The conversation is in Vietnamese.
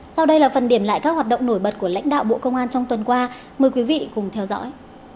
sau đây là phần điểm lại các hoạt động nổi bật của lãnh đạo bộ công an trong tuần qua mời quý vị cùng theo dõi